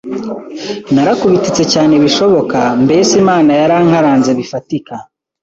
narakubititse cyane bishoboka, mbese Imana yarankaranze bifatika